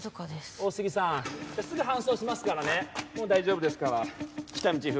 大杉さんすぐ搬送しますからねもう大丈夫ですから喜多見チーフ